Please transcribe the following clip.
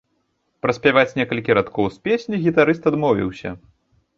Праспяваць некалькі радкоў з песні гітарыст адмовіўся.